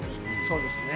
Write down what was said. そうですね。